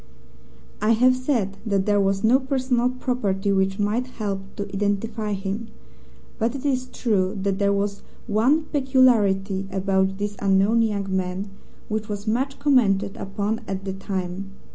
I have said that there was no personal property which might help to identify him, but it is true that there was one peculiarity about this unknown young man which was much commented upon at the time.